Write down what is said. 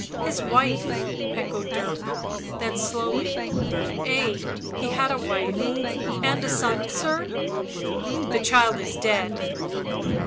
"His wife!" echoed Dirk; then slowly, "Ay, he had a wife — and a son, sir ?" "The child is dead."